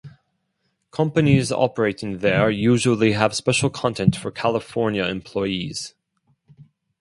Companies operating there usually have special content for California employees.